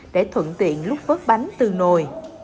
để thuận tiện lúc vớt bánh từ nồi